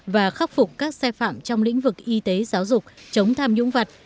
và khắc phục các sai phạm trong lĩnh vực y tế giáo dục chống tham nhũng vật